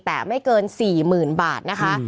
แต่ไม่เกิน๔๐๐๐บาทนะคะ